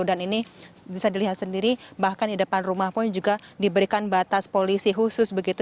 dan ini bisa dilihat sendiri bahkan di depan rumah pun juga diberikan batas polisi khusus begitu